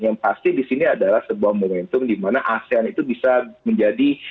yang pasti di sini adalah sebuah momentum di mana asean itu bisa menjadi